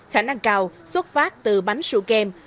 khả năng cao xuất phát từ bánh sưu kem